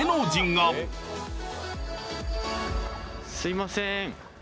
すいません。